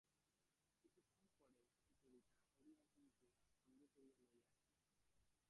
কিছুক্ষণ পরে সুচরিতা হরিমোহিনীকে সঙ্গে করিয়া লইয়া আসিল।